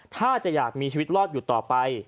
ถ้าจะอยากมีชีวิตรอดอยู่ต่อไป